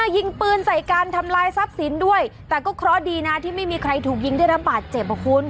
ยิงปืนใส่กันทำลายทรัพย์สินด้วยแต่ก็เคราะห์ดีนะที่ไม่มีใครถูกยิงได้รับบาดเจ็บอ่ะคุณ